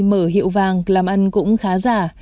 mở hiệu vàng làm ăn cũng khá giả